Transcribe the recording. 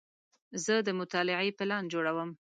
زه د مطالعې پلان جوړوم.